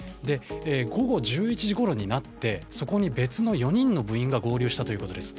午後１１時ごろになってそこに別の４人の部員が合流したということです。